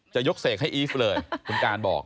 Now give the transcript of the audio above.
จะยกเสกให้อีฟเลยคุณการบอก